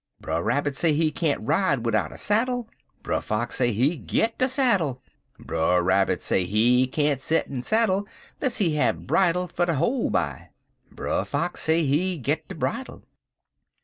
Brer Rabbit say he can't ride widout a saddle. Brer Fox say he git de saddle. Brer Rabbit say he can't set in saddle less he have bridle fer ter hol' by. Brer Fox say he git de bridle.